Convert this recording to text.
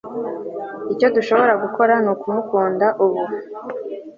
icyo dushobora gukora ni ukumukunda ubu